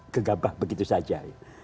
gegabah begitu saja